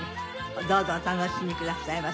どうぞお楽しみくださいませ。